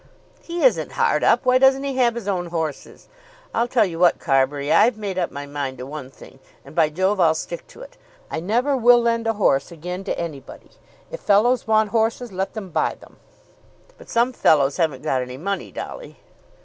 "He isn't hard up. Why doesn't he have his own horses? I'll tell you what, Carbury, I've made up my mind to one thing, and, by Jove, I'll stick to it. I never will lend a horse again to anybody. If fellows want horses let them buy them." "But some fellows haven't got any money, Dolly."